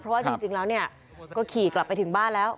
เพราะว่าจริงแล้วก็ขี่กลับไปถึงบ้านแล้ว